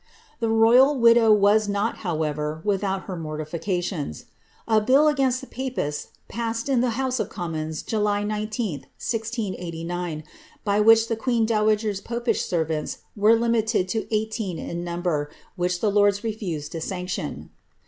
The royal widow was not, however, without her mortificatioDS. A bill against the papists passed in the House of Commons July IQih, 1089i by which the queen dowager^s popish servants were limited to eightses in number, which the lords refused to sanction.